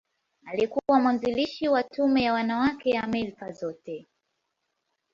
Alikuwa mwanzilishi wa Tume ya Wanawake ya Amerika Zote.